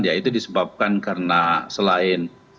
ya itu disebabkan karena selain